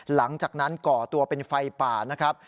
หลังจากนั้นก่อตัวเป็นไฟป่านะครับ